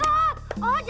oh jangan sampai dia